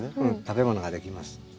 食べ物ができます。